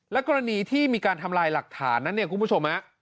กรณีที่มีการทำลายหลักฐานนั้นเนี่ยคุณผู้ชม